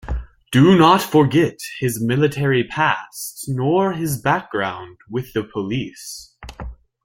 Do not forget his military past, nor his background with the police.